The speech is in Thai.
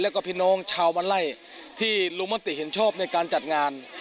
แล้วก็พี่น้องชาวมันไล่ที่ลงมติเห็นชอบในการจัดงาน